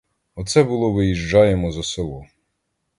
Оце було виїжджаємо за село.